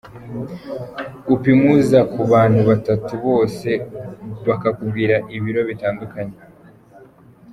Upimuza ku bantu batatu bose bakakubwira ibiro bitandukanye.